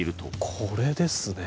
これですね。